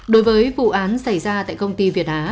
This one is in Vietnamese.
đối với vụ án xảy ra tại công ty việt á